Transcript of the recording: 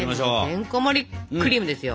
てんこもりクリームですよ。